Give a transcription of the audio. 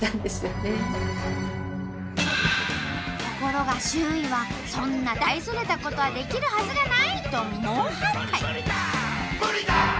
ところが周囲はそんな大それたことはできるはずがない！と猛反対。